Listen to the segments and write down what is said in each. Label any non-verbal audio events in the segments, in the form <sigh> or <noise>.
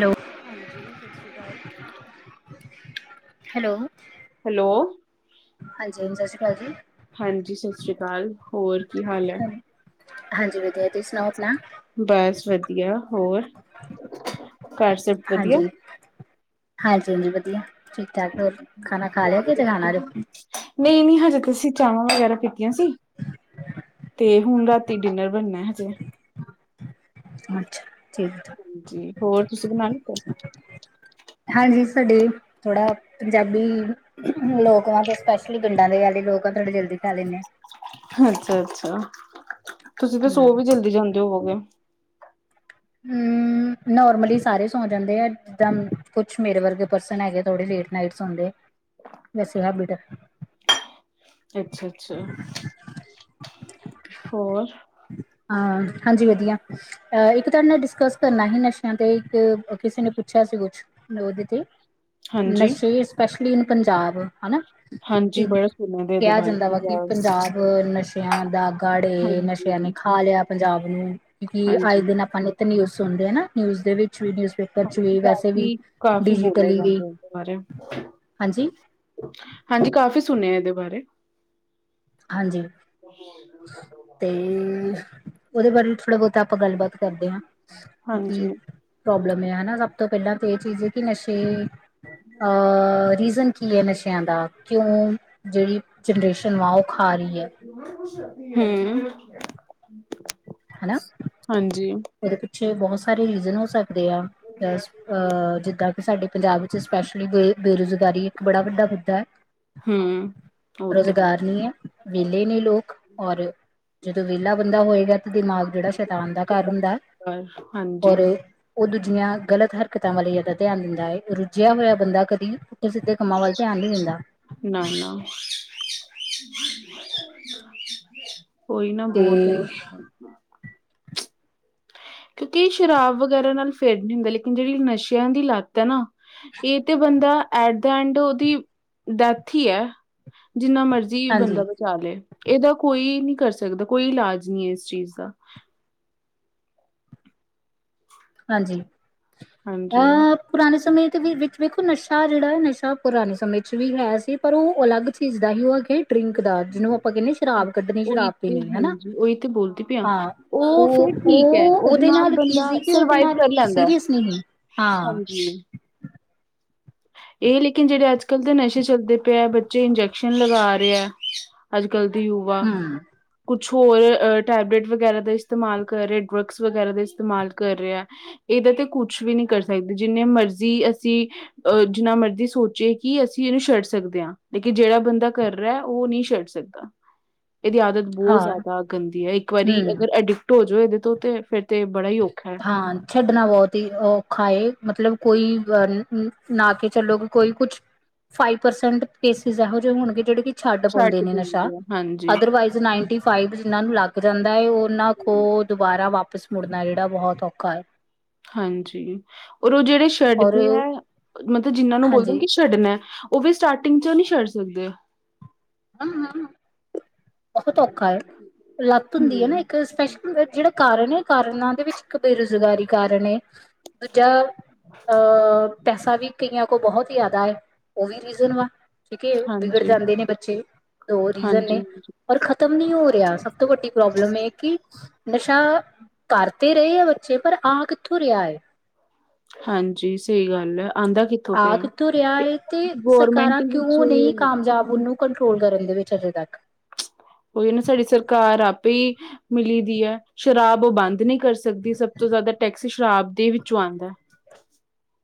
Hello ਹਾਂਜੀ, ਸ ਸ਼੍ਰੀ ਕਾਲ। ਹੈਲੋ। ਹੈਲੋ। ਹਾਂਜੀ, ਸ਼ਸ਼ੀ ਕਾਲ ਜੀ। ਹਾਂਜੀ, ਸ ਸ਼੍ਰੀ ਕਾਲ ਹੋਰ ਕੀ ਹਾਲ ਹੈ। ਹਾਂਜੀ, ਵਦਿਆ ਤੁਸੀਂ ਸੁਣਾਓ ਅਪਨਾ। ਬਾੱਸ ਵਦਿਆ ਹੋਰ ਘਰ ਸਭ ਵਧੀਆ? ਹਾਂਜੀ, ਹਾਂਜੀ ਜੀ ਵਦਿਆ। ਠੀਕ-ਠਾਕ ਹੋਰ ਖਾਨਾ ਖਾ ਲੇਆ ਕੇ ਜੇ ਖਾਨਾ ਹੱਲੇ ਰੁੱ ਨੀ, ਨੀ ਹਜੇ ਤੇ ਅਸੀਂ ਚਾਵਾਂ ਵਗੈਰਾ ਪਿਤੀਆਂ ਸੀ। ਤੇ ਹੁਨ ਰਾਤੀ ਡਿਨਰ ਬੱਨਾ ਹਜੇ। ਅੱਛਾ, ਠੀਕ-ਠਾਕ। ਹਾਂਜੀ, ਹੋਰ ਤੁਸੀਂ ਬਣਾ ਲਿੱਤਾ? ਹਾਂਜੀ, ਸਾਡੇ ਥੋੜਾ ਪੰਜਾਬੀ ਲੋਕ ਵਾ ਤੇ ਸਪੈਸ਼ਲੀ ਪਿੰਡਾਂ ਦੇ <unintelligible> ਹੱਛਾ-ਅੱਛਾ, ਤੁਸੀ ਤੇ ਸੋ ਹਮ ਵੀ ਜਲਦੀ ਜਾਂਦੇ ਓਵੋਗੇ। ਹੂੰ, ਨੋਰਮਲੀ ਸਾਰੇ ਸੋ ਜਾਂਦੇ ਐ ਜਿੱਦਾਂ ਕੁਛ ਮੇਰੇ ਵਰਗੇ ਪਰਸਨ ਐਗੇ ਤੋੜੀ ਲੇਟ ਨਾਈਟ ਸੋਂਦੇ, <unintelligible> ਹੈਬਿਟ। ਅੱਛਾ-ਅੱਛਾ, ਹੋਰ। ਹਾਂ, ਹਾਂਜੀ ਵਦਿਆ। ਅ ਇੱਕ ਤਾਡੇ ਨਾਲ ਡਿਸਕਸ ਕਰਨਾ ਹੀ ਨਸ਼ੇਆਂ ਤੇ ਇੱਕ, ਕਿਸੇ ਨੇ ਪੁੱਛਿਆ ਸੀ ਕੁਛ। <unintelligible> ਹਾਂਜੀ ਨਸ਼ੇ ਸਪੈਸ਼ਲੀ ਇਨ ਪੰਜਾਬ, ਹਨਾ ਕਿ, ਹਾਂਜੀ, ਬੜਾ ਸੁਣਿਆ ਦਾ ਇਹਦੇ ਕੇਆ ਬਾਰੇ ਜਂਦਾ ਵਾ ਕਿ ਪੰਜਾਬ ਨਸ਼ੇ ਨਸ਼ਿਆਂ ਦਾ ਗਾੜ ਏ, ਨਸ਼ਿਆਂ ਨੇ ਹਾਂਜੀ ਖਾ ਲੇਆ ਪੰਜਾਬ ਨੂੰ, ਕਿ ਆਏ ਹਾਂਜੀ ਦਿਨ ਆਪਾਂ ਨੇ ਤੇ ਨਿਊਜ਼ ਸੁਨਦੇ ਐਨਾ, ਨਿਊਜ਼ ਦੇ ਵਿੱਚ ਵੀ ਨਿਊਜ਼ ਪੇਪ ਹਾਂਜੀ, ਕਾਫ਼ੀ-ਕਾਫ਼ੀ ਬੋਲੇ ਵੀ ਜਾਂਦੇ ਓਦੇ ਬਾਰੇ। ਹਾਂਜੀ, ਹਾਂਜੀ ਕਾਫ਼ੀ ਸੁਨੇਐ ਐਦੇ ਬਾਰੇ। ਹਾਂਜੀ, ਤੇ ਓਦੇ ਬਾਰੇ ਥੋੜਾ ਬੋਤ ਤਾਂ ਅਪਾਂ ਗਾੱਲਬਾਤ ਕਰਦੇ ਆ ਕਿ ਹਾਂਜੀ। ਪ੍ਰੋਬਲਮ ਏ ਆ ਨਾ ਸੱਬ ਤੋਂ ਪੇਲਾਂ ਤੇ ਏ ਚੀਜ਼ ਏ ਕਿ ਨਸ਼ੇ, ਅ ਰੀਜ਼ਨ ਕੀ ਏ ਨਸ਼ਿਆਂ ਦਾ, ਕਿਓ ਜੇੜੀ ਜਨਰੇਸ਼ਨ ਵਾ ਓ ਖਾ ਰੀ ਏ। ਹੂੰ, ਹਾਂਜੀ। ਇਦੇ ਪਿੱਛੇ ਬੋਹਤ ਸਾਰੇ ਰੀਜ਼ਨ ਓ ਸਕਦੇ ਆ, ਅਹ ਜਿੱਦਾਂ ਸਾਡੇ ਪੰਜਾਬ ਵਿੱਚ ਸਪੈਸ਼ਲੀ ਬੇ ਬੇਰੋਜ਼ਗਾਰੀ ਇੱਕ ਬੜਾ ਵੱਡਾ ਮੁੱਦੈ। ਹੂੰ ਉਹ ਤੇ ਹੈ। ਰੋਜ਼ਗਾਰੀ ਐ। ਵੇਲੇ ਨੇ ਲੋਕ ਔਰ ਜਦੋ ਵੇਲਾ ਬੰਦਾ ਹੋਏਗਾ ਦਿਮਾਗ ਜੜਾ ਸ਼ੈਤਾਨ ਦਾ ਘਾੱਰ ਹੁੰਦੈ ਪਰ ਹਾਂਜੀ ਔਰ ਓ ਦੂਜੀਆਂ ਗ਼ਲਤ ਹਰਕਤਾਂ ਵਾਲੀ ਆਦੱਤਾ ਤਿਆਨ ਦਿੰਦਾ ਏ, ਰੁਜੇਆ ਹੋਏਆ ਬੰਦਾ ਕਦੀ ਸਿੱਧੇ ਕੰਮਾਂ ਵੱਲ ਤਿਆਨ ਨੀ ਦਿੰਦਾ। ਨਾ, ਨਾ। ਕੋਈ ਨਾ ਤੇ ਬੋਤ ਕਿਯੁਕਿ ਸ਼ਰਾਬ ਵਗੈਰਾ ਨਾਲ <unintelligible> ਨੀ ਹੁੰਦਾ ਲੇਕਿਨ ਜੜੀ ਨਸ਼ੇਆਂ ਦੀ ਲਾਤ ਐ ਨਾ ਏ ਤੇ ਬੰਦਾ ਐਟ ਦਾ ਐਂਡ ਓਦੀ, ਦੈਥ ਈ ਐ ਜਿੰਨਾ ਮਰਜ਼ੀ ਜੀ ਬੰਦਾ ਹਾਂਜੀ ਬਚਾ ਲੇ ਇਦਾ ਕੋਈ ਨੀ ਕਰ ਸਕਦਾ ਕੋਈ ਇਲਾਜ ਨੀ ਐ ਇਸ ਚੀਜ਼ ਦਾ। ਹਾਂਜੀ, ਹਾਂਜੀ। <unintelligible> ਪੁਰਾਨੇ ਸਮੇਂ ਦੇ ਵਿ ਵਿੱਚ ਵੇਖੋ ਨਸ਼ਾ ਜੜਾ ਏ ਨਸ਼ਾ ਪੁਰਾਨੇ ਸਮੇਂ ਚ ਵੀ ਹੈ ਸੀ ਪਰ ਓ ਅਲੱਗ ਇਸ ਦਾ ਵੀ <unintelligible> ਡਰਿੰਕ ਦਾ ਜਿਨੂੰ ਅਪਾਂ ਕੈਨੇ ਆ ਸ਼ਰਾਬ ਕੱਢਣੀ ਉਹੀ ਸ਼ਰਾਬ ਤੇ ਪੀਨੀ ਹੈਨਾ, ਹਾਂਜੀ ਉਹੀ ਤੇ ਬੋਲਦੀ ਪਈ ਆ ਹਾਂ। ਓ, ਉਹ ਫੇਰ ਓ ਠੀਕ ਹੈ ਉਹਦੇ ਓਦੇ ਨਾਲ ਕੀ ਬੰਦਾ ਸੀ ਕਿ ਓਦੇ ਸਰਵਾਈਵ ਨਾਲ ਕਰ ਲੈਂਦਾ ਹੈ। ਸੀਰੀਅਸ ਨੀ ਹੀ, ਹਾਂ। ਹਾਂਜੀ ਇਹ ਲੇਕਿਨ ਜਿਹੜੇ ਅੱਜ-ਕੱਲ੍ਹ ਦੇ ਨਸ਼ੇ ਚੱਲਦੇ ਪਏ ਬੱਚੇ ਇੰਜੈਕਸ਼ਨ ਲਗਾ ਰਹੇ ਐ। ਅੱਜ-ਕੱਲ੍ਹ ਦੇ ਯੁਵਾ ਹੂੰ। ਕੁਛ ਹੋਰ ਟੈਬਲੇਟ ਵਗੈਰਾ ਦਾ ਇਸਤੇਮਾਲ ਕਰ ਰਹੇ ਡਰਗਸ ਵਗੈਰਾ ਦਾ ਇਸਤੇਮਾਲ ਕਰ ਰਿਹਾ। ਇਹਦੇ ਤੇ ਕੁੱਛ ਵੀ ਨੀ ਕਰ ਸਕਦੇ ਜਿੰਨੇ ਮਰਜ਼ੀ ਅਸੀਂ ਅਹ ਜਿੰਨਾ ਮਰਜ਼ੀ ਸੋਚੇ ਕਿ ਅਸੀਂ ਇਹਨੂੰ ਛੱਡ ਸਕਦੇ ਹਾਂ। ਲੇਕਿਨ ਜਿਹੜਾ ਬੰਦਾ ਕਰ ਰਿਹਾ ਉਹ ਨਹੀਂ ਛੱਡ ਸਕਦਾ ਇਹਦੀ ਆਦਤ ਬਹੁਤ ਹਾਂ ਜ਼ਿਆਦਾ ਗੰਦੀ ਹੈ ਇੱਕ ਵਾਰੀ ਹਮ ਅਗਰ ਅਡਿਕਟ ਹੋ ਜਾਓ ਇਹਦੇ ਤੋਂ ਤੇ ਫੇਰ ਤੇ ਬੜਾ ਹੀ ਔਖਾ ਐ। ਹਾਂ ਛੱਡਣਾ ਬਹੁਤ ਹੀ ਔਖਾ ਏ ਮਤਲਬ ਕੋਈ ਅ ਨਾ ਕੇ ਚਲੋ ਗੇ ਕੋਈ ਕੁੱਛ ਫਾਇਵ ਪਰਸੇਂਟ ਕੈਸੇਸਿਸ ਇਹੋ ਜੇ ਹੋਣਗੇ ਜਿਹੜੇ ਕਿ ਛੱਡ ਪਾਉਂਦੇ ਨੇ ਨਸ਼ਾ ਦਿੰਦੇ ਆ ਹਾਂਜੀ, ਅਦਰਵਾਈਜ਼ ਨਾਇਨਟੀ ਫਾਈਵ ਜਿਨ੍ਹਾ ਨੂੰ ਲੱਗ ਜਾਂਦਾ ਹੈ ਉਹਨਾਂ ਕੋ ਦੁਬਾਰਾ ਵਾਪਿਸ ਮੁੜਨਾ ਣਾ ਬਹੁਤ ਔਖਾ ਐ। ਹਾਂਜੀ ਔਰ ਉਹ ਜਿਹੜੇ ਔਰ ਛੱਡਦੇ ਹੈ ਮਤਲਬ ਜਿੰਹਨਾਂ ਨੂੰ ਬੋਲਦੋ ਹਾਂਜੀ ਕਿ ਛੱਡਣਾ ਉਹ ਵੀ ਸਟਾਰਟਿੰਗ ਚੋਂ ਨਹੀਂ ਛੱਡ ਸਕਦੇ। ਹਾਂ-ਹਾਂਂ ਬਹੁਤ ਔਖਾ ਏ ਲੱਤ ਹੁੰਦੀ ਏ ਨਾ ਹੂੰ, ਇੱਕ ਸਪੈ ਜਿਹੜਾ ਕਾਰਨ ਏ ਕਾਰਨਾਂ ਦੇ ਵਿੱਚ ਇੱਕ ਬੇਰੋਜ਼ਗਾਰੀ ਕਾਰਨ ਏ। ਦੂਜਾ ਅਹ ਪੈਸਾ ਵੀ ਕਈਆਂ ਕੋ ਬਹੌਤ ਯਾਦਾ ਏ ਓਹ ਵੀ ਰੀਜ਼ਨ ਵਾ। ਠੀਕ ਏ ਵਿਗੜ ਹਾਂਜੀ, ਜਾਂਦੇ ਨੇ ਬੱਚੇ, ਦੋ‌ ਰੀਜ਼ਨ ਹਾਂਜੀ, ਨੇ। ਹਾਂਜੀ ਪਰ ਖ਼ਤਮ ਨੀ ਹੋ ਰਿਆ, ਸਭ ਤੋਂ ਵੱਡੀ ਪ੍ਰੋਬਲਮ ਏ ਕਿ ਨਸ਼ਾ ਕਾਰ ਤੇ ਰਏ ਆ ਬੱਚੇ, ਪਰ ਆ ਕਿੱਥੋਂ ਰਿਆ ਏ? ਹਾਂਜੀ, ਸਹੀ ਗੱਲ ਐ। ਆੰਦਾ ਕਿਥ ਆ ਕਿੱਥੋਂ ਰਿਆ ਏ ਤੇ ਸਰਕਾਰਾਂ ਹੀ ਵਿੱਚ ਕਿਉਂ ਨਹੀਂ ਕਾਮਜਾਬ ਉਨੂੰ ਕੰਟਰੋਲ ਕਰਨ ਦੇ ਵਿੱਚ ਹੱਲੇ ਤੱਕ। ਉਈ ਨਾ ਸਾਡੀ ਸਰਕਾਰ ਆਪੇ ਹੀ ਮਿਲੀ ਦੀ ਹੈ ਸ਼ਰਾਬ ਉਹ ਬੰਦ ਨੀ ਕਰ ਸਕਦੀ ਸਭ ਤੋਂ ਜ਼ਿਆਦਾ ਟੈਕਸ ਸ਼ਰਾਬ ਦੇ ਵਿੱਚੋਂ ਆਂਦਾ।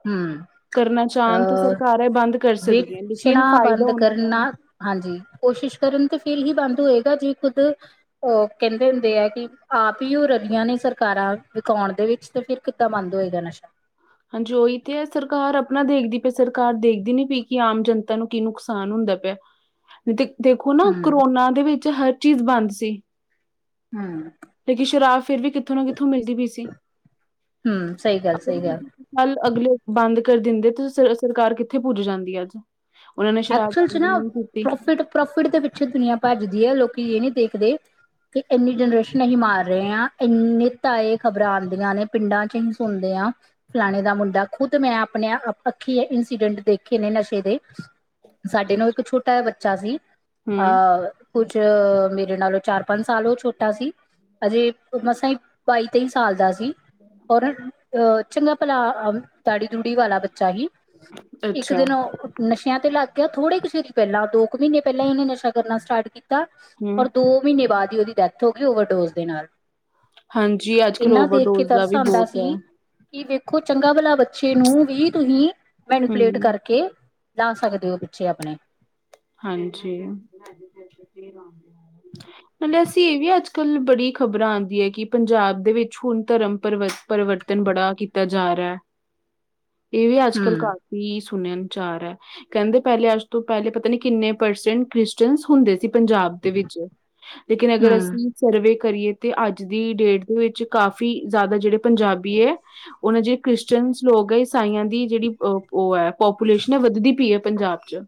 ਹੂੰ ਕਰਨਾ ਚਾਹਣ ਤੇ ਅਹ ਸਰਕਾਰ ਇਹ ਬੰਦ ਕਰ ਸਕਦੀਆਂ ਲੇਕਿਨ ਵੇਚਣਾ ਫਾਇਦਾ ਬੰਦ ਉਹਨਾਂ ਦਾ ਕਰਨਾ ਹਾਂਜੀ ਕੋਸ਼ਿਸ਼ ਕਰਨ ਤੇ ਫੇਰ ਹੀ ਬੰਦ ਹੋਏਗਾ ਜੇ ਖੁਦ ਉਹ ਕਹਿੰਦੇ ਹੁੰਦੇ ਆ ਕਿ ਆਪ ਹੀ ਹੋ ਰਲਿਆਂ ਨੇ ਸਰਕਾਰਾਂ ਵਿਓਣ ਦੇ ਵਿੱਚ ਤੇ ਫਿਰ ਕਿ ਕੀਦਾ ਬੰਦ ਹੋਏਗਾ ਨਸ਼ਾ। ਹਾਂਜੀ ਉਹੀ ਤੇ ਹੈ ਸਰਕਾਰ ਆਪਣਾ ਦੇਖਦੀ ਪ ਸਰਕਾਰ ਦੇਖਦੀ ਨੀ ਪਈ ਕਿ ਆਮ ਜਨਤਾ ਨੂੰ ਕੀ ਨੁਕਸਾਨ ਹੁੰਦਾ ਪਿਆ। <inaudible> ਤੇ ਦੇਖੋ ਨਾ ਹਮ ਕਰੋਨਾ ਦੇ ਵਿੱਚ ਹਰ ਚੀਜ਼ ਬੰਦ ਸੀ। ਹੂੰ। ਲੇਕਿ ਸ਼ਰਾਬ ਫਿਰ ਵੀ ਕਿੱਥੋਂ ਨਾ ਕਿੱਥੋਂ ਮਿਲਦੀ ਪੀ ਸੀ। ਹਮ ਸਹੀ ਗੱਲ ਸਹੀ ਗੱਲ ਕੱਲ੍ਹ ਅਗਲੇ ਬੰਦ ਕਰ ਦਿੰਦੇ ਤੇ ਸਰਕਾਰ ਕਿੱਥੇ ਪੁੱਜ ਜਾਂਦੀ ਅੱਜ। ਔਨਾਂ ਨੇ ਸ਼ਰਾਬ ਐਕਚੁਅਲ ਚ ਬੰਦ ਈ ਨਾ ਨੀ ਕੀਤੀ। ਪ੍ਰੋਫਿਟ ਪ੍ਰੋਫਿਟ ਦੇ ਪਿੱਛੇ ਦੁਨੀਆਂ ਭੱਜਦੀ ਐ ਲੋਕੀ ਏ ਨੀ ਦੇਖਦੇ- ਕਿ ਏਨੀ ਜਨਰੇਸ਼ਨ ਅਸੀਂ ਮਾਰ ਰਹੇ ਆ, ਇੰਨੇ ਤਾਏ ਖ਼ਬਰਾਂ ਆੰਦੀਆਂ ਨੇ ਪਿੰਡਾਂ ਚ ਅਹੀ ਸੁਣਦੇ ਆ। ਫਲਾਣੇ ਦਾ ਮੁੰਡਾ ਖੁੱਦ ਮੈਂ ਆਪਣੇ ਅ ਅੱਖੀ ਇੰਸੀਡੈਂਟ ਦੇਖੇ ਨੇ ਨਸ਼ੇ ਦੇ। ਸਾਡੇ ਨਾਲ ਇੱਕ ਛੋਟਾ ਜਾ ਬੱਚਾ ਸੀ, ਹਮ ਅਹ ਕੁੱਛ ਮੇਰੇ ਨਾਲੋਂ ਚਾਰ-ਪੰਜ ਸਾਲ ਔ ਛੋਟਾ ਸੀ। ਅਜੇ ਮਸਾਂ ਈ ਬਾਈ-ਤੇਈ ਸਾਲ ਦਾ ਸੀ। ਪਰ ਅ ਚੰਗਾ ਪਲਾ ਅ ਦਾੜੀ-ਦੂੜੀ ਵਾਲਾ ਬੱਚਾ ਹੀ। ਇੱਕ ਅੱਛਾ ਦਿਨ ਓਹ ਨਸ਼ਿਆਂ ਤੇ ਲੱਗ ਕੈ ਥੋੜੇ ਕਿਸੇ ਦੀ ਗੱਲਾ ਦੋ ਕੁ ਮੀਨੇ ਪੈਲਾਂ ਔਨੇ ਨਸ਼ਾ ਕਰਨਾ ਸਟਾਰਟ ਕੀਤ ਤਾ ਹਮ ਔਰ ਦੋ ਮੀਨੇ ਬਾਦ ਹੀ ਓਦੀ ਡੈਥ ਹੋ ਗੀ, ਔਵਰਡੋਜ਼ ਦੇ ਨਾਲ। ਹਾਂਜੀ ਅੱਜ ਕੱਲ ਇਨਾ ਦੇਖ ਕੇ ਓਵਰਡੋਜ਼ ਦਾ ਤਰਸ ਵੀ ਆਂਦਾ ਬਹੁਤ ਹੈ ਸੀ। ਕੀ ਵੇਖੋ ਚੰਗਾ ਭਲਾ ਬੱਚੇ ਨੂੰ ਵੀ ਤੁਸੀਂ ਮੈਨੀਪੂਲੇਟ ਹਮ ਕਰਕੇ ਲਾ ਸਕਦੇ ਔ ਪਿੱਛੇ ਅਪਣੇ। ਹਾਂਜੀ, ਮਲੇ ਅਸੀਂ ਇਹ ਵੀ ਅੱਜ ਕੱਲ੍ਹ ਬੜੀ ਖ਼ਬਰਾਂ ਆੰਦੀ ਐ ਕਿ ਪੰਜਾਬ ਦੇ ਵਿੱਚ ਹੁਣ ਧਰਮ ਪਰਿਵ ਪਰਿਵਰਤਨ ਬੜਾ ਕੀਤਾ ਜਾ ਰਿਐ। ਏਹ ਵੀ ਅੱਜ-ਕੱਲ੍ਹ ਹਮ ਕਾਫ਼ੀ ਸੁਣਯਨ ਚ ਆ ਰੇਐ। ਕੈੰਦੇ ਪੈਲੇ ਅੱਜ ਤੋਂ ਪੈਲੇ ਪਤਾ ਨੀ ਕਿੰਨੇ ਪਰਸੈਂਟ ਕ੍ਰਿਸਚਨ ਹੁੰਦੇ ਸ ਸੀ ਪੰਜਾਬ ਦੇ ਵਿੱਚ। ਲੇਕਿਨ, ਅਗਰ ਹਮ ਅਸੀਂ ਸਰਵੇ ਕਰੀਏ ਤੇ ਅੱਜ ਦੀ ਡੇਟ ਦੇ ਵਿੱਚ ਕਾਫੀ ਜਾਦਾ ਜੇੜੇ ਪੰਜਾਬੀ ਏ ਔਨ ਜੇ ਕ੍ਰਿਸਚਨਸ ਲੋਗ ਐ ਈਸਾਈਆਂ ਦੀ ਜੇੜੀ ਅ ਔ ਐ, ਪਾਪੂਲੇਸ਼ਨਾ ਵੱਧਦੀ ਪਈ ਏ ਪੰਜਾਬ ਚ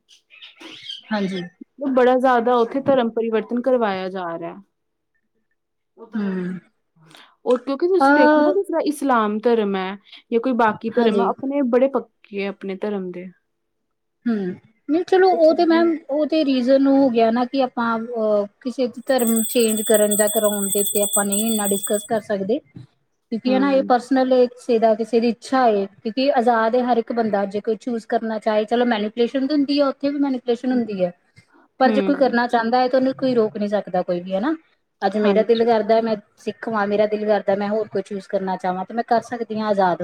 ਹਾਂਜੀ। ਬ ਬੜਾ ਜਾਦਾ ਔਥੇ ਧਰਮ ਪਰਿਵਰਤਨ ਕਰਵਾਯਾ ਜਾ ਰਿਐ। ਹਮ ਔ ਕਿਉਂਕਿ ਤੁਸੀਂ ਦੇਖੋ ਨਾ ਅ ਜਿਸਰਾ ਇਸਲਾਮ ਧਰਮ ਐ ਯਾ ਕੋਈ ਬਾਕੀ ਧਰਮ ਹਾਂਜੀ ਐ, ਅਪਣੇ ਬੜੇ ਪੱਕੇ ਆ ਅਪਣੇ ਧਰਮ ਦੇ। ਹੂੰ, ਨਹੀਂ ਚਲੋ ਔ ਤੇ ਮੈਮ ਓਹ ਤੇ ਰੀਜਨ ਹੋ ਗਿਆ ਨਾ ਕਿ ਅਪਾਂ ਅ ਕਿਸੇ ਚ ਧਰਮ ਚੇਂਜ ਕਰਨ ਜਾਂ ਕਰੋਣ ਦੇ ਤੇ ਅਪਾਂ ਨਹੀਂ ਇੰਨਾ ਡਿਸਕਸ ਕਰ ਸਕਦੇ, ਕਿਉਂਕਿ ਅਨਾ ਏਹ ਹਮ ਪਰਸ ਨਾਲੇ ਕਿਸੇ ਦਾ ਕਿਸੇ ਦੀ ਇੱਛਾ ਹੋਏ, ਕਿਉਂਕਿ ਅਜ਼ਾਦ ਏ ਹਰ ਇੱਕ ਬੰਦਾ ਜੇ ਕੋਈ ਚੂਸ ਕਰਨਾ ਚਾਏ। ਚਲੋ ਮੈਨੀਪੂਲੇਸ਼ਨ ਤੇ ਹੁੰਦੀ ਐ, ਔਥੇ ਵੀ ਮੈਨੀਪੂਲੇਸ਼ਨ ਹੁੰਦੀ ਐ, ਪਰ ਜੇ ਕੋਈ ਹਮ ਕਰਨਾ ਚਾਹਦਾ ਹੈ ਤੇ ਉਹਨੂੰ ਕੋਈ ਰੋਕ ਨੀ ਸਕਦਾ ਕੋਈ ਵੀ ਹੈਨਾ। ਅੱਜ ਮੇਰਾ ਦਿਲ ਹਾਂਜੀ ਕਰਦਾ ਏ ਮੈਂ ਸਿੱਖਵਾਂ ਮੇਰਾ ਦਿਲ ਕਰਦਾ ਮੈਂ ਹੋਰ ਕੋਈ ਚੂਜ ਕਰਨਾ ਚਾਹਵਾਂ ਤੇ ਮੈਂ ਕਰ ਸਕਦੀ ਹਾਂ, ਆਜ਼ਾਦ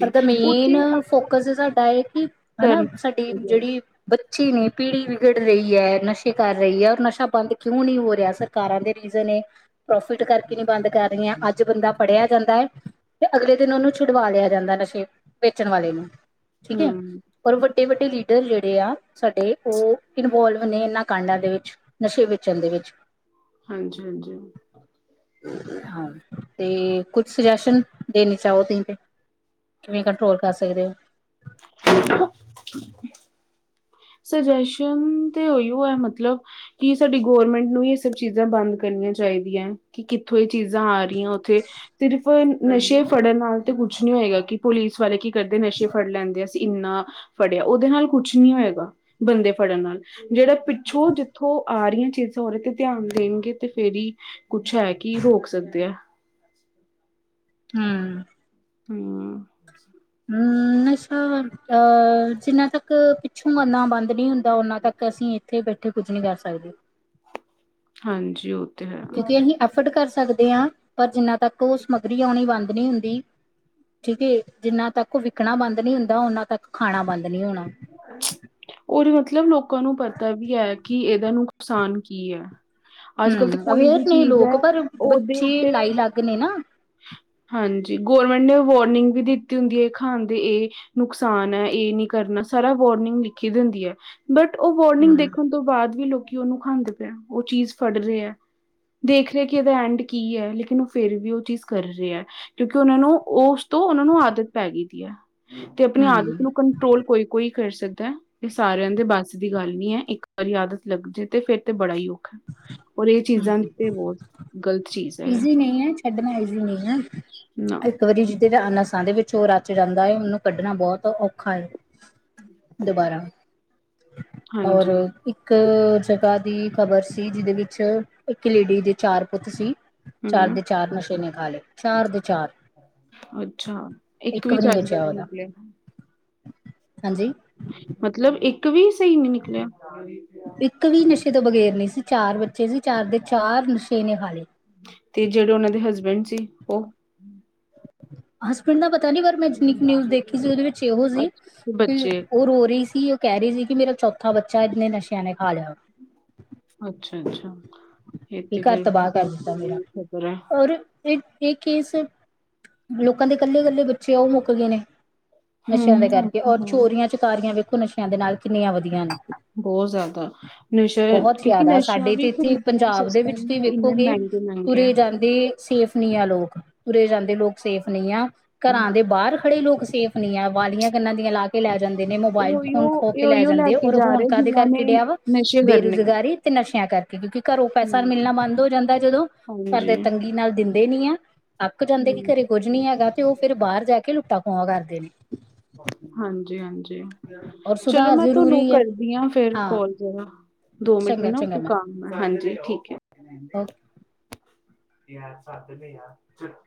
ਪਰ ਦਾ ਉਹ ਮੇਨ ਤੇ ਅ ਫੋਕਸ ਸਾਡਾ ਇਹ ਕਿ ਹੈਨਾ, ਕਰਨ ਸਾਡੀ ਜਿਹੜੀ ਬੱਚੇ ਨੇ ਪੀੜੀ ਵਿਗੜ ਰਹੀ ਹੈ, ਨਸ਼ੇ ਕਰ ਰਹੀ ਹੈ, ਔਰ ਨਸ਼ਾ ਬੰਦ ਕਿਉਂ ਨਹੀਂ ਹੋ ਰਿਹਾ। ਸਰ ਸਰਕਾਰਾਂ ਦੇ ਰੀਜ਼ਨ ਏ, ਪ੍ਰੋਫਿਟ ਕਰਕੇ ਨੀ ਬੰਦ ਕਰ ਰਹੀਆਂ। ਅੱਜ ਬੰਦਾ ਫੜ੍ਹਿਆ ਜਾਂਦਾ ਏ ਤੇ ਅਗਲੇ ਦਿਨ ਔਨੂੰ ਛੁਡਵਾ ਲਿਆ ਜਾਂਦੈ ਨਸ਼ੇ ਵੇਚਣ ਵਾਲੇ ਨੂੰ, ਠੀਕ ਹੈ। ਹਮ ਪਰ ਵੱਡੇ-ਵੱਡੇ ਲੀਡਰ ਜੇੜੇ ਆ ਸਾਡੇ ਔ ਇਨਵੋਲਵ ਨੇ ਏਨਾਂ ਕਾਂਡਾਂ ਦੇ ਵੇ ਨਸ਼ੇ ਵੇਚਣ ਦੇ ਵੇਚ। ਹਾਂਜੀ, ਹਾਂਜੀ। ਹਾਂ, ਤੇ ਕੁੱਛ ਸੁਜੈਸ਼ਨ ਦੇਣੀ ਚਾਹੋ, ਤੇ ਈ ਤੇ ਕਿਵੇਂ ਕੰਟਰੋਲ ਕਰ ਸਕਦੇ ਔ? <inaudible> <inaudible> ਸੁਜੈਸ਼ਨ ਤੇ ਔਈਔ ਐ, ਮਤਲਬ ਕਿ ਸਾਡੀ ਗੌਰਮੈਂਟ ਨੂੰ ਈ ਏਹ ਸਭ ਚੀਜ਼ਾਂ ਬੰਦ ਕਰਨੀਆਂ ਚਾਹੀਦੀਐ, ਕਿ ਕਿੱਥੋਂ ਏਹ ਚੀਜ਼ਾਂ ਆ ਰੀਐ, ਔਥੇ ਸਿਰਫ ਨਸ਼ੇ ਫੜਨ ਨਾਲ ਤੇ ਕੁਛ ਨੀ ਹੋਏਗਾ, ਕਿ ਪੁਲਿਸ ਵਾਲੇ ਕੀ ਕਰਦੇ ਨਸ਼ੇ ਫੜ ਲੈਂਦੇ, ਅਸੀਂ ਇੰਨਾ ਫੜਿਆ, ਔਦੇ ਨਾਲ ਕੁਛ ਨੀ ਹੋਏਗਾ ਬੰਦੇ ਫੜਨ ਨਾਲ। ਜਿਹੜਾ ਪਿੱਛੋਂ ਜਿੱਥੋਂ ਆ ਰਹੀਆਂ ਚੀਜ਼ਾਂ ਉਹਦੇ ਤੇ ਧਿਆਨ ਦੇਣਗੇ ਤੇ ਫੇਰ ਹੀ ਕੁਛ ਹੈ, ਕੀ ਰੋਕ ਸਕਦੇ ਆ। ਹੂੰ ਹੂੰ ਹੂੰ ਨਸਾ਼ ਅਹ ਜਿੰਨਾ ਤੱਕ ਪਿੱਛੋਂ ਬਣਨਾ ਬੰਦ ਨਹੀ ਹੁੰਦਾ ਤਾਂ ਉਹਨਾਂ ਤੱਕ ਅਸੀਂ ਇੱਥੇ ਬੈਠੇ ਕੁੱਛ ਨਹੀ ਕਰ ਸਕਦੇ। ਹਾਂਜੀ ਔ ਕਿਉਂਕਿ ਅਸੀਂ ਐਫਰਟ ਕਰ ਸਕਦੇ ਹਾਂ, ਪਰ ਜਿੰਨਾ ਤੱਕ ਉਹ ਸਮੱਗਰੀ ਆਉਣੀ ਬੰਦ ਨਹੀਂ ਹੁੰਦੀ। ਠੀਕ ਏ, ਜਿੰਨਾ ਤੱਕ ਉਹ ਵਿਕਣਾ ਬੰਦ ਨੀ ਹੁੰਦਾ, ਓਨਾ ਤੱਕ ਖਾਣਾ ਬੰਦ ਨੀ ਹੋਣਾ। ਔਰ ਮਤਲਬ ਲੋਕਾਂ ਨੂੰ ਪਤਾ ਵੀ ਹੈ ਕਿ ਇਹਦਾ ਨੁਕਸਾਨ ਕੀ ਹੈ। ਅੱਜ ਕੱਲ ਤਾਂ ਹੂੰ ਕੋਈ ਵੀ ਅਵੇਅਰ ਨੇ ਚੀਜ਼ ਹੈ ਲੋਕ ਪਰ ਉਹਦੇ ਬੱਚੇ ਉੱਤੇ ਲਾਈ ਲੱਗ ਨੇ ਨਾ। ਹਾਂਜੀ, ਗਵੌਰਂਮੈਂਟ ਨੇ ਵਾਰਨਿੰਗ ਵੀ ਦਿੱਤੀ ਹੁੰਦੀ ਇਹ ਖਾਣ ਦੀ ਇਹ ਨੁਕਸਾਨ ਹੈ, ਇਹ ਨੀ ਕਰਨਾ ਸਾਰਾ ਵਾਰਨਿੰਗ ਲਿਖੀ ਦੀ ਹੁੰਦੀ ਹੈ, ਬਟ ਉਹ ਵਾਰਨਿੰਗ ਹੂੰ ਦੇਖੋ ਤੋਂ ਬਾਅਦ ਵੀ ਲੋਕੀ ਉਹਨੂੰ ਖਾਂਦੇ ਪਏ ਆ। ਉਹ ਚੀਜ਼ ਫੜ ਰਹੇ ਹੈ। ਦੇਖ ਰਹੇ ਕਿ ਇਹਦਾ ਐਂਡ ਕੀ ਹੈ ਲੇਕਿਨ ਉਹ ਫਿਰ ਵੀ ਉਹ ਚੀਜ਼ ਕਰ ਰਹੇ ਹੈ ਕਿਉਂਕਿ ਉਹਨਾਂ ਨੂੰ ਉਸ ਤੋਂ ਉਹਨਾਂ ਨੂੰ ਆਦਤ ਪੈ ਗਈ ਦੀ ਹੈ। ਤੇ ਅਪਣੀ ਆਦਤ ਹੂੰ ਨੂੰ ਕੰਟਰੋਲ ਕੋਈ- ਕੋਈ ਕਰ ਸਕਦਾ, ਇਹ ਸਾਰਿਆਂ ਦੇ ਬੱਸ ਦੀ ਗੱਲ ਨੀ ਹੈ। ਇੱਕ ਵਾਰੀ ਆਦਤ ਲੱਗ ਜੇ ਤੇ ਫੇਰ ਤੇ ਬੜਾ ਹੀ ਔਖਾ ਹੈ। ਔਰ ਇਹ ਚੀਜ਼ਾਂ ਹੂੰ ਤੇ ਬਹੁਤ ਗ਼ਲਤ ਚੀਜ਼ ਹੈ ਈਜ਼ੀ ਨਹੀਂ ਹੈ, ਛੱਡਣਾ ਈਜ਼ੀ ਨਹੀ ਹੈ। ਨਾ, ਇੱਕ ਵਾਰੀ ਜਿਹਦੇ ਨਸਾਂ ਦੇ ਵਿੱਚ ਉਹ ਰਚ ਜਾਂਦਾ ਹੈ, ਉਹਨੂੰ ਕੱਢਣਾ ਬਹੁਤ ਔਖਾ ਏ। ਦੁਬਾਰਾ ਔਰ ਹਾਂਜੀ, ਇੱਕ ਜਗ੍ਹਾ ਦੀ ਖ਼ਬਰ ਸੀ, ਜਿਹਦੇ ਵਿੱਚ ਇੱਕ ਲੇਡੀ ਦੇ ਚਾਰ ਪੁੱਤ ਸੀ। ਚਾਰ ਹੂੰ, ਦੇ ਚਾਰ ਨਸ਼ੇ ਨੇ ਖਾ ਲਏ, ਚਾਰ ਦੇ ਚਾਰ। ਅੱਛਾ, ਇੱਕ ਵੀ ਨਹੀਂ ਚੱਜ ਦਾ ਬਚਿਆ ਨੀ ਉਹਦਾ ਨਿਕਲਿਆ। ਹਾਂਜੀ। ਮਤਲਬ ਇੱਕ ਵੀ ਸਹੀ ਨੀ ਨਿਕਲਿਆ। ਇੱਕ ਵੀ ਨਸ਼ੇ ਤੋਂ ਬਗੈਰ ਨਹੀਂ ਸੀ, ਚਾਰ ਬੱਚੇ ਸੀ। ਚਾਰ ਦੇ ਚਾਰ ਨਸ਼ੇ ਨੇ ਖਾ ਲੇ। ਤੇ ਜਿਹੜੇ ਉਹਨਾਂ ਦੇ ਹਸਬੈਂਡ ਸੀ, ਉਹ ਹਸਬੈਂਡ ਦਾ ਪਤਾ ਨੀ, ਪਰ ਮੈਂ ਜਿੰਨੀ ਕੁ ਨਿਊਜ਼ ਦੇਖੀ ਸੀ ਉਹਦੇ ਵਿੱਚ ਇਹੋ ਸੀ ਅੱਛਾ ਤੇ ਕਿ ਬੱਚੇ ਉਹ ਰੋ ਰਹੀ ਸੀ ਕਹ ਰਹੀ ਸੀ ਕਿ ਮੇਰਾ ਚੌਥਾ ਬੱਚਾ ਇਹਨੇ ਨਸ਼ਿਆਂ ਨੇ ਖਾ ਲਿਆ। ਅੱਛਾ ਅੱਛਾ, ਇਹ ਵੀ ਤਾ ਘਰ ਫੇਰ ਤਬਾਹ ਕਰ ਬਹੁਤ ਦਿੱਤਾ ਮੇਰਾ ਬੁਰੀ ਖਬਰ ਆ। ਔਰ ਇਹ ਇਹ ਕੇਸ ਲੋਕਾਂ ਦੇ ਕੱਲੇ- ਕੱਲੇ ਬੱਚੇ ਔ ਉਹ ਮੁੱਕ ਗਏ ਨੇ। ਨਸ਼ਿਆਂ ਹੂੰ, ਦੇ ਕਰਕੇ ਔਰ ਹੂੰ ਚੋਰੀਆਂ ਚੁਕਾਰੀਆਂ ਵੇਖੋ ਨਸ਼ਿਆਂ ਦੇ ਨਾਲ ਕਿੰਨੀਆਂ ਵਧੀਆ ਨੇ। ਬਹੁਤ ਜ਼ਿਆਦਾ ਨਸ਼ਾ ਬਹੁਤ ਕਿਉਂਕਿ ਜ਼ਿਆਦਾ ਨਸ਼ਾ ਸਾਡੇ ਵੀ ਤੇ ਇੱਥੇ ਖਰੀਦਣਾ ਪੰਜਾਬ ਦੇ ਵਿੱਚ ਤੁਸੀਂ ਵੇਖੋਗੇ ਕਿ ਲੋਕ ਆ। ਤੁਰੇ ਜਾਂਦੇ ਹਨ। ਇਹ ਸੇਫ ਨਹੀਂ ਆ ਲੋਕ, ਤੁਰੇ ਜਾਂਦੇ ਲੋਕ ਸੇਫ ਨਹੀਂ ਆ, ਹੂੰ, ਘਰਾਂ ਦੇ ਬਾਹਰ- ਖੜ੍ਹੇ ਲੋਕ ਸੇਫ ਨਹੀਂ ਆ, ਵਾਲੀਆਂ ਕੰਨਾਂ ਦੀਆਂ ਲੱਗੀਆਂ ਰਹਿੰਦੀਆਂ ਨੇ। ਕੇ ਲੈ ਜਾਂਦੇ ਨੇ, ਇਹ ਮੋਬਾਇਲ ਉਹੀਓ ਫੋਨ ਖੋ ਇਹ ਕੇ ਲੈ ਉਹੀਓ ਜਾਂਦੇ ਆ, ਕੇ ਔਰ ਜਾ ਹੁਣ ਰਹੇ ਕਾਹਦੇ ਜਿਨਾਂ ਕਰਕੇ ਨੇ ਡਿਆ ਵਾ ਨਸ਼ੇ ਕਰਨੇ ਆ। ਬੇਰੋਜ਼ਗਾਰੀ ਤੇ ਨਸ਼ਿਆਂ ਕਰਕੇ ਕਿਉਂਕਿ ਘਰੋਂ ਪੈਸਾ ਹੂੰ, ਮਿਲਣਾ ਬੰਦ ਹੋ ਜਾਂਦਾ ਜਦੋਂ ਘਰ ਹਾਂਜੀ, ਦੇ ਤੰਗੀ ਨਾਲ ਦਿੰ ਨੀ ਆ ਅੱਕ ਜਾਂਦੇ ਨੇ ਕਿ ਹੂੰ। ਘਰੇ ਕੁੱਝ ਨੀ ਹੈਗਾ ਤੇ ਉਹ ਫਿਰ ਬਾਹਰ ਜਾ ਕੇ ਲੁੱਟਾਂ ਖਆ ਕਰਦੇ ਨੇ। ਹਾਂਜੀ ਹਾਂਜੀ ਔਰ ਚਲੋ ਸੁਧਾਰ ਮੈਂ ਤੁਹਾਨੂੰ ਜ਼ਰੂਰੀ ਹੈ ਕਰਦੀ ਹਾਂ ਫੇਰ ਕੋਲ। ਓ ਨਾ ਦੋ ਮਿੰਟ ਚੰਗਾ ਮੈਨੂੰ ਨਾ ਚੰਗਾ ਕੋਈ ਮੈਮ ਕੱਮ ਐ। ਹਾਂਜੀ, ਠੀਕ ਏ। Okay <unintelligible> hello